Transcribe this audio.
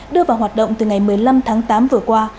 đưa vào hoạt động từ ngày một mươi năm tháng tám vừa qua